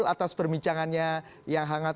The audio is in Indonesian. atas bangga radar saja